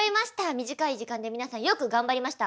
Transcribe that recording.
短い時間で皆さんよく頑張りました。